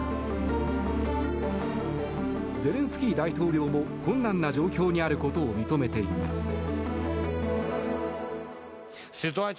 ゼレンスキー大統領も困難な状況にあることを認めています。